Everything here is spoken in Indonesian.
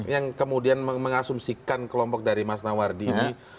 yang kemudian mengasumsikan kelompok dari mas nawardi ini